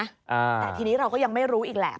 อ่าแต่ทีนี้เราก็ยังไม่รู้อีกแหละ